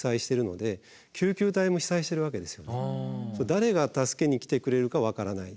誰が助けに来てくれるか分からない。